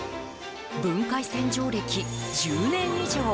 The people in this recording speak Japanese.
分解洗浄歴１０年以上。